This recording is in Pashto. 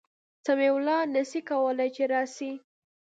سمیع الله نسي کولای چي راسي